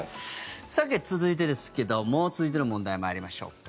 さて、続いてですけども続いての問題参りましょうか。